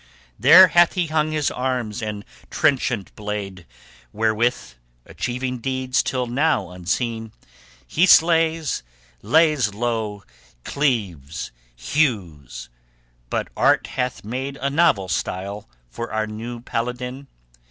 There hath he hung his arms and trenchant blade Wherewith, achieving deeds till now unseen, He slays, lays low, cleaves, hews; but art hath made A novel style for our new paladin.